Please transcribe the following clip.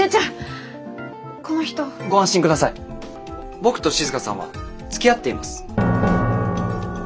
僕と静さんはつきあっています。